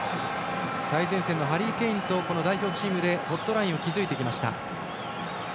最前線のハリー・ケインとこの代表チームでホットラインを築いてきました。